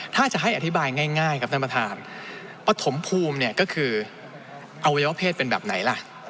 ถ้าจะให้อธิบายง่ายครับท่านประธานปฐมภูมิเนี่ยก็คืออวัยวะเพศเป็นแบบไหนล่ะ